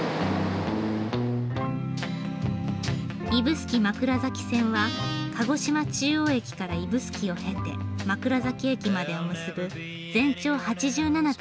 指宿枕崎線は鹿児島中央駅から指宿を経て枕崎駅までを結ぶ全長８７．８キロ。